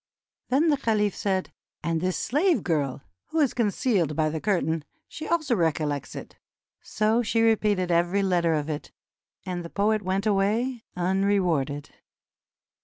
Then the caliph said: "And this slave girl, who is concealed by the curtain, she also recollects it." So she repeated every letter of it, and the poet went away unrewarded.